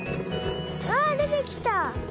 あでてきた！